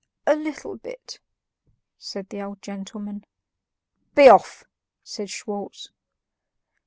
"A little bit," said the old gentleman. "Be off!" said Schwartz.